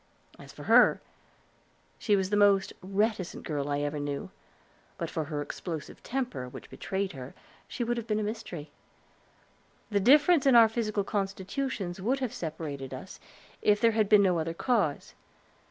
As for her, she was the most reticent girl I ever knew, and but for her explosive temper, which betrayed her, she would have been a mystery. The difference in our physical constitutions would have separated us, if there had been no other cause.